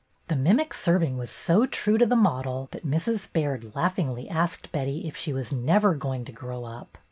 The min>ic serving was so true to the model that Mrs. Baird laughingly asked Betty if she was "never going to grow up."